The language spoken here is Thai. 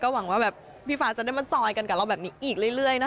หวังว่าพรภาษณ์จะได้มาจอยกันกับเราอีกเรื่อย